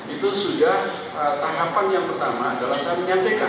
itu sudah tahapan yang pertama adalah saya menyampaikan